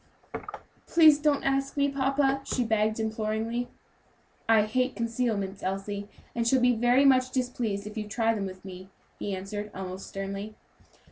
"Please don't ask me, papa," she begged imploringly. "I hate concealments, Elsie, and shall be very much displeased if you try them with me," he answered, almost sternly.